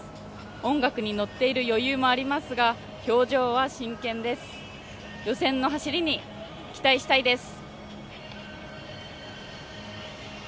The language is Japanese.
音楽にのっている余裕もありますが表情は真剣です、予選の走りに期待したいです。